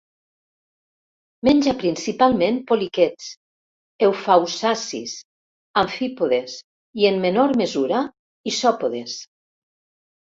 Menja principalment poliquets, eufausiacis, amfípodes i, en menor mesura, isòpodes.